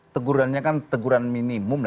tegurannya kan teguran minimum